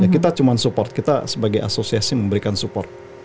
kita cuma support kita sebagai asosiasi memberikan support